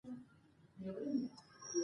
د ادبپوهني اصلي څانګي درې دي.